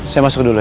saya masuk dulu ya